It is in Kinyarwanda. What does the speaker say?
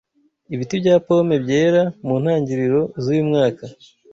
Ibiti bya pome byera mu ntangiriro zuyu mwaka.